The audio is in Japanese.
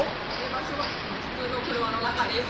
場所は普通の車の中です